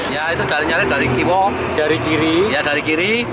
ya itu dari nyari dari timur dari kiri ya dari kiri